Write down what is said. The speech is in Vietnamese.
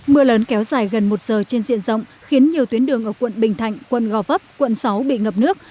mưa lớn kéo dài gần một giờ trên diện rộng khiến nhiều tuyến đường ở quận bình thạnh quận gò vấp quận sáu bị ngập nước